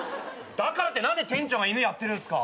だからって何で店長が犬やってるんすか。